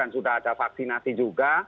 sudah ada vaksinasi juga